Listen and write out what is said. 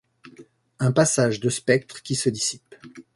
Un passage de spectres qui se dissipe.